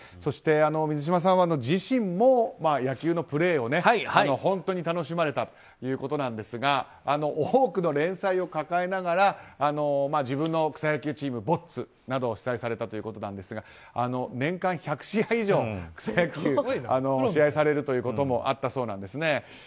水島さんは自身も野球のプレーを本当に楽しまれたということなんですが多くの連載を抱えながら自分の草野球チームボッツなどを主宰されたということなんですが年間１００試合以上草野球の試合をされることもあったそうなんです。